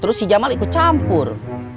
terus si jamal ikut campur